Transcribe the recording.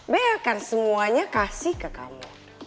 be akan semuanya kasih ke kamu